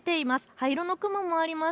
灰色の雲もあります。